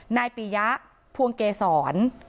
นายปียะพวงเกษร